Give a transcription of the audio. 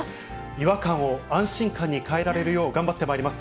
違和感を安心感に変えられるよう頑張ってまいります。